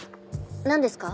何ですか？